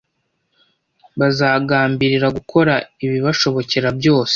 bazagambirira gukora ibibashobokera byose